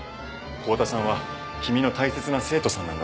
幸田さんは君の大切な生徒さんなんだろ？